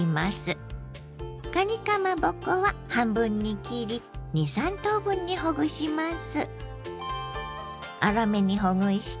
かにかまぼこは半分に切り２３等分にほぐします。